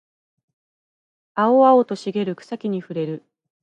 青々と茂る草木に触れる